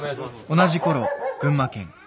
同じころ群馬県。